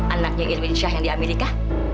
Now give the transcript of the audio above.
anaknya irwin syah yang di amerika